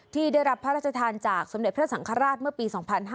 ที่ได้รับพระราชทานจากสมเด็จพระสังฆราชเมื่อปี๒๕๕๙